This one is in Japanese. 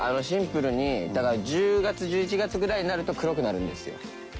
シンプルにだから１０月１１月ぐらいになると黒くなるんですよ。